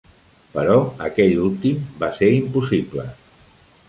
Però aquell últim va ser impossible.